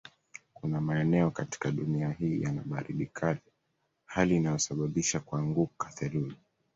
Kuna maeneo katika dunia hii yana baridi kali hali inayosabisha kuanguka theluji